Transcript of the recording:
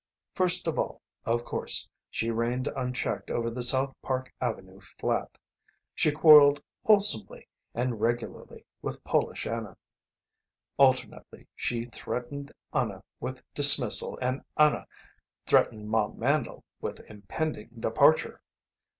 First of all, of course, she reigned unchecked over the South Park Avenue flat. She quarrelled wholesomely and regularly with Polish Anna. Alternately she threatened Anna with dismissal and Anna threatened Ma Mandle with impending departure.